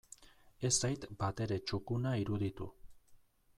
Ez zait batere txukuna iruditu.